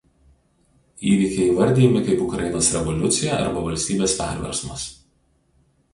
Įvykiai įvardijami kaip Ukrainos revoliucija arba valstybės perversmas.